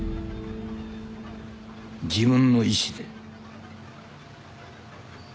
自分の意志で。